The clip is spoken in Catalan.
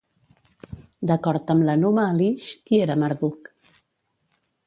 D'acord amb l'Enuma Elix, qui era Marduk?